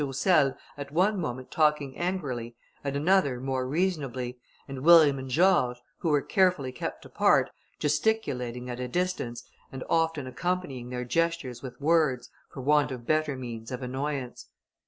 Roussel at one moment talking angrily, at another more reasonably, and William and George, who were carefully kept apart, gesticulating at a distance, and often accompanying their gestures with words, for want of better means of annoyance.